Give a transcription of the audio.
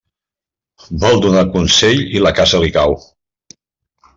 Vol donar consell i la casa li cau.